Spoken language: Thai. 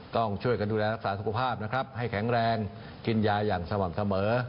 ต้องช่วยกันดูแลรักษาสุขภาพนะครับให้แข็งแรงกินยาอย่างสม่ำเสมอ